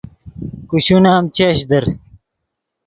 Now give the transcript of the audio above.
کوشون ام چش در